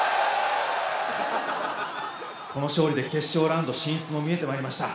この勝利で決勝ラウンド進出も見えてまいりました。